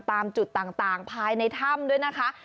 ตามจุดต่างภายในถ้ำด้วยนะคะ